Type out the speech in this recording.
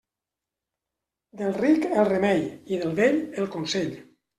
Del ric el remei i del vell el consell.